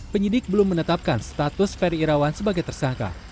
penyidik belum menetapkan status ferry irawan sebagai tersangka